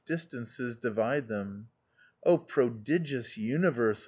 247 distances divide them. 0, prodigious uni verse !